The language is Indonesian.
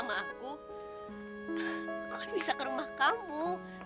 kamu bisa ke rumah kamu